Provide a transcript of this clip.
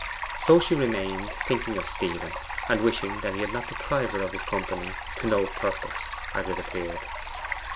So she remained, thinking of Stephen, and wishing he had not deprived her of his company to no purpose, as it appeared.